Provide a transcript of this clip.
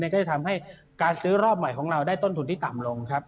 ก็จะทำให้การซื้อรอบใหม่ของเราได้ต้นทุนที่ต่ำลงครับ